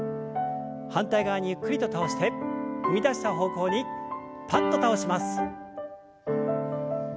反対側にゆっくりと倒して踏み出した方向にパッと倒します。